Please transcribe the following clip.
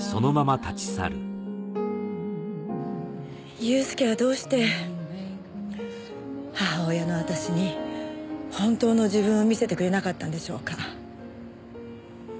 祐介はどうして母親の私に本当の自分を見せてくれなかったんでしょうか。